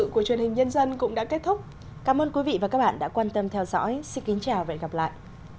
của truyền hình nhân dân cũng đã kết thúc cảm ơn quý vị và các bạn đã quan tâm theo dõi xin kính chào và hẹn gặp lại